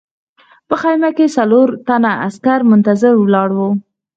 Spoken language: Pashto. په خیمه کې څلور تنه عسکر منتظر ولاړ وو